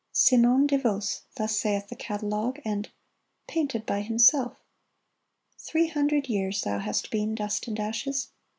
" Simon de Vos," thus saith the catalogue, And " Painted by himself." Three hundred years Thou hast been dust and ashes.